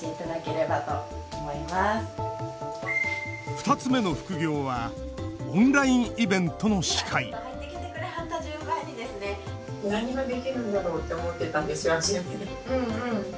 ２つ目の副業はオンラインイベントの司会何ができるんだろうと思ってたんです。